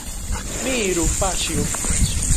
Ni iru, paĉjo.